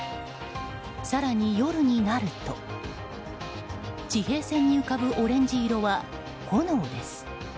更に夜になると地平線に浮かぶオレンジ色は炎です。